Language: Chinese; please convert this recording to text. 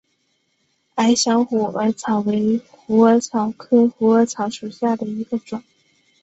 矮小虎耳草为虎耳草科虎耳草属下的一个种。